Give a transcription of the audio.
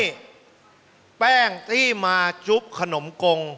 นี่แป้งที่มาจุ๊บขนมกง